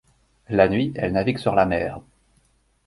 La nuit, elle navigue sur la mer.